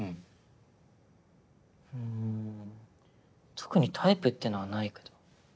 特にタイプっていうのはないけど。